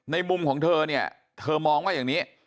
มุมของเธอเนี่ยเธอมองว่าอย่างนี้